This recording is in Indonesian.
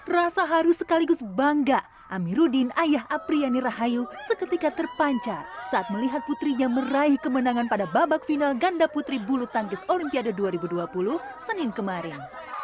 rasa harus sekaligus bangga amiruddin ayah apriyani rahayu seketika terpancar saat melihat putrinya meraih kemenangan pada babak final ganda putri bulu tangkis olimpiade dua ribu dua puluh senin kemarin